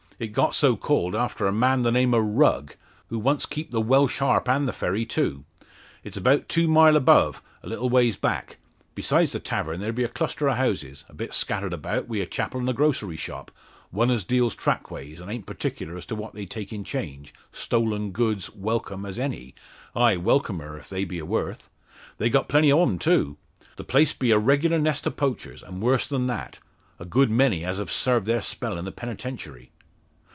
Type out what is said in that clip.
It got so called after a man the name o' Rugg, who once keeped the Welsh Harp and the ferry too. It's about two mile above, a little ways back. Besides the tavern, there be a cluster o' houses, a bit scattered about, wi' a chapel an' a grocery shop one as deals trackways, an' a'nt partickler as to what they take in change stolen goods welcome as any ay, welcomer, if they be o' worth. They got plenty o' them, too. The place be a regular nest o' poachers, an' worse than that a good many as have sarved their spell in the Penitentiary."